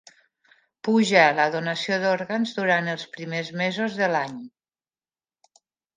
Puja la donació d'òrgans durant els primers mesos de l'any